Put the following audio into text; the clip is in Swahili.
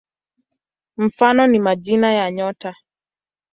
Mfano ni majina ya nyota.